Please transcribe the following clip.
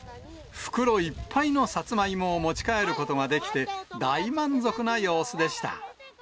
袋いっぱいのさつまいもを持ち帰ることができて、大満足な様子でした。